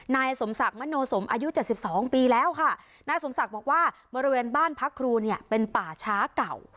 นายสมศักดิ์มโนสมอายุเจ็ดสิบสองปีแล้วค่ะนายสมศักดิ์บอกว่าบริเวณบ้านพักครูเนี่ยเป็นป่าช้าเก่า